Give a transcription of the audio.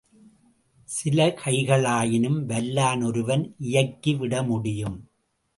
சில கைகளாயினும் வல்லான் ஒருவன் இயக்கிவிட முடியும்.